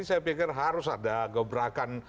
saya pikir harus ada gebrakan